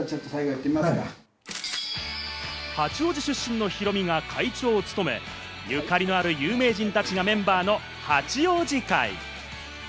八王子出身のヒロミが会長を務め、ゆかりのある有名人たちがメンバーの八王子会。